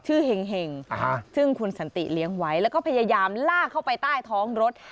เห็งซึ่งคุณสันติเลี้ยงไว้แล้วก็พยายามลากเข้าไปใต้ท้องรถ